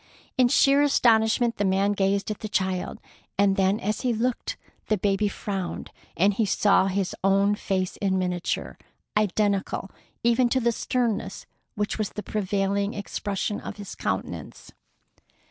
In sheer astonishment the man gazed at the child, and then as he looked the baby frowned, and he saw his own face in miniature, identical even to the sternness which was the prevailing expression of his countenance.